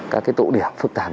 các tổ điểm phức tạp